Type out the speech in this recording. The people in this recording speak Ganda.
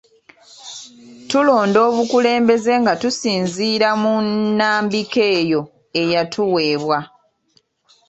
Tulonda obukulembeze nga tusinziira mu nnambika eyo eyatuweebwa